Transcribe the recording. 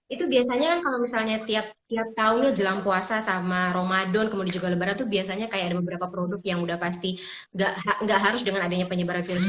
itu biasanya kan kalau misalnya tiap tahun loh jelang puasa sama ramadan kemudian juga lebaran tuh biasanya kayak ada beberapa produk yang udah pasti gak harus dengan adanya penyebaran virus